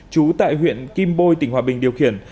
trú tại huyện kim bôi tỉnh hòa bình điều khiển